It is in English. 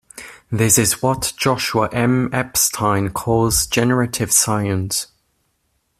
This is what Joshua M. Epstein calls generative science.